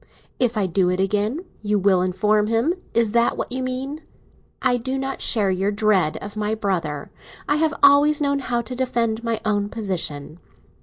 "If I do it again, you will inform him: is that what you mean? I do not share your dread of my brother; I have always known how to defend my own position.